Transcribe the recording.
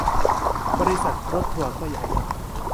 บริษัทรถทัวร์ก็ใหญ่